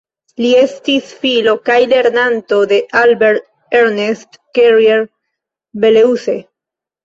Li estis filo kaj lernanto de Albert-Ernest Carrier-Belleuse.